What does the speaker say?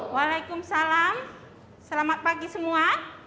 walaikum salam selamat pagi semua